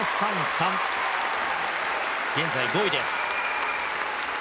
現在５位です。